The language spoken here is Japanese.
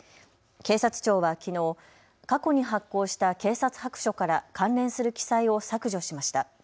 警察庁はきのう、過去に発行した警察白書から関連する記載を削除しました。